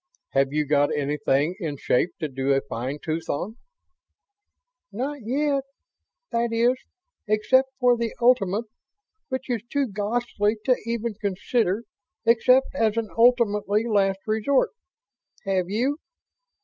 Have you got anything in shape to do a fine tooth on?" "Not yet. That is, except for the ultimate, which is too ghastly to even consider except as an ultimately last resort. Have you?"